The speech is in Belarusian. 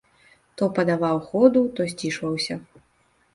То паддаваў ходу, то сцішваўся.